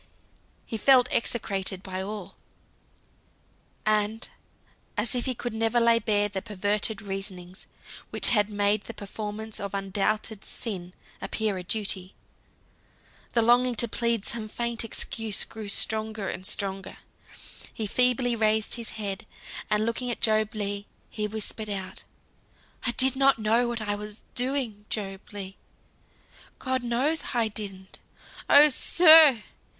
He felt execrated by all; and as if he could never lay bare the perverted reasonings which had made the performance of undoubted sin appear a duty. The longing to plead some faint excuse grew stronger and stronger. He feebly raised his head, and looking at Job Legh, he whispered out, "I did not know what I was doing, Job Legh; God knows I didn't! Oh, sir!"